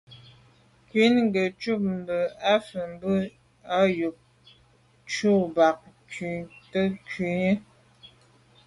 Ŋkrʉ̀n gə́ cúp à’ fə́ mbə́ á yûp cú mbɑ́ bú khǐ tà’ ŋkrʉ̀n.